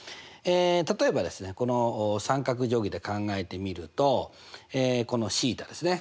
例えばこの三角定規で考えてみるとこのθですね